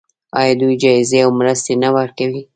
آیا دوی جایزې او مرستې نه ورکوي؟